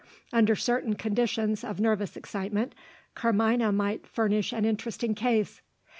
Under certain conditions of nervous excitement, Carmina might furnish an interesting case.